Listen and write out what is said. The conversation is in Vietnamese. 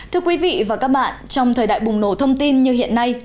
thưa quý vị và các bạn trong thời đại bùng nổ thông tin như hiện nay